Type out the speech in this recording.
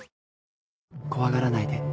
怖がらないで。